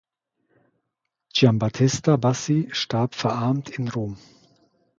Giambattista Bassi starb verarmt in Rom.